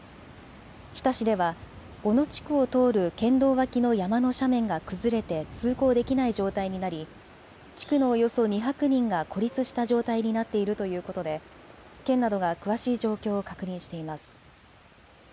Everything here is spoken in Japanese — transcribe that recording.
日田市では小野地区を通る県道脇の山の斜面が崩れて通行できない状態になり、地区のおよそ２００人が孤立した状態になっているということで県などが詳しい状況を確認しています。